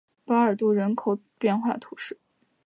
巴尔杜人口变化图示